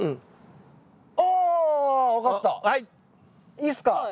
いいっすか？